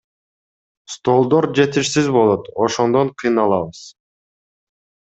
Столдор жетишсиз болот, ошондон кыйналабыз.